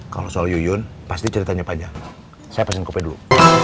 kalau soal yuyun pasti ceritanya panjang saya pasin kope dulu